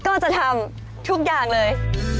ก็จะทำทุกอย่างเลย